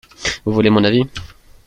Vous voulez mon avis?